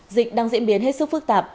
dịch đang diễn biến hết sức phức tạp